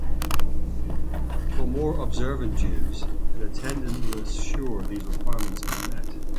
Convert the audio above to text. For more observant Jews, an attendant will assure these requirements are met.